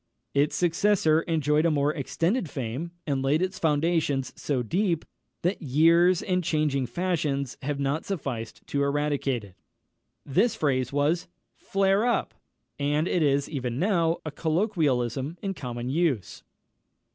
Its successor enjoyed a more extended fame, and laid its foundations so deep, that years and changing fashions have not sufficed to eradicate it. This phrase was "Flare up!" and it is, even now, a colloquialism in common use.